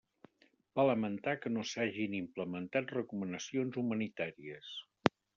Va lamentar que no s'hagin implementat recomanacions humanitàries.